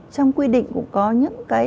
trong quy định cũng có những câu hỏi là